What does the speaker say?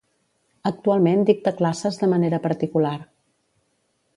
Actualment dicta classes de manera particular.